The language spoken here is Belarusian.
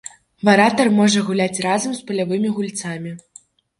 Варатар можа гуляць разам з палявымі гульцамі.